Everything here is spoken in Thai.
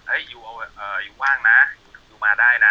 ไอ้ยูเอาว่าอยู่ว่านะคุณมาได้นะ